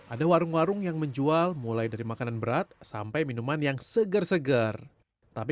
ada warung warung yang menjual mulai dari makanan berat sampai minuman yang segar segar tapi